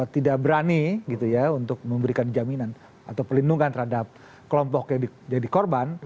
tidak berani untuk memberikan jaminan atau pelindungan terhadap kelompok yang dikorban